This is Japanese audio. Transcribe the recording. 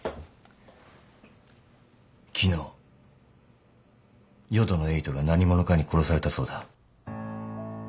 昨日淀野瑛斗が何者かに殺されたそうだ。